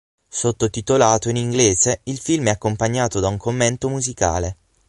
Sottotitolato in inglese, il film è accompagnato da un commento musicale.